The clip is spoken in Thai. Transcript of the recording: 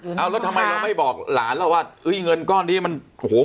เอาแล้วทำไมเราไม่บอกหลานเราว่าเอ้ยเงินก้อนนี้มันโอ้โห